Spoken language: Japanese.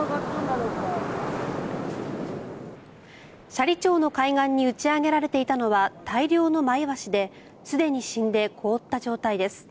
斜里町の海岸に打ち上げられていたのは大量のマイワシですでに死んで凍った状態です。